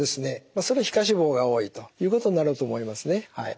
それ皮下脂肪が多いということになると思いますね。